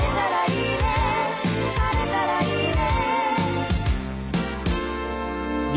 「晴れたらいいね」